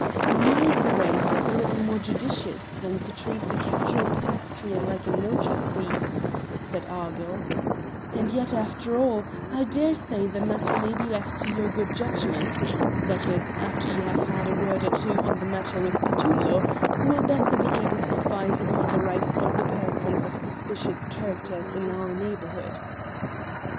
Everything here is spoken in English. "My Grace is a little more judicious than to treat the casual pedestrian like a notour thief," said Argyll; "and yet, after all, I dare say the matter may be left to your good judgment that is, after you have had a word or two on the matter with Petullo, who will better be able to advise upon the rights to the persons of suspicious characters in our neighbourhood."